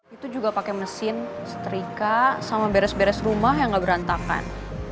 itu juga pakai mesin setrika sama beres beres rumah yang gak berantakan